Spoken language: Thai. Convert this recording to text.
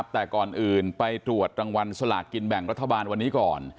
แต่ก่อนอื่นไปตรวจรางวัลสลากกินแบ่งรัฐบาลวันนี้ก่อน